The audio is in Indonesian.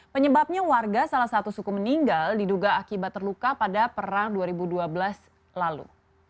penyebabnya warga salah satu suku meninggal diduga akibat terluka pada perang dua ribu dua belas lalu